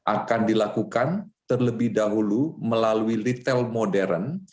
akan dilakukan terlebih dahulu melalui retail modern